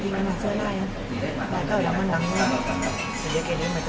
เริ่มสร้างภายระบัณฑ์